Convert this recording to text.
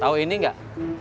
tau ini gak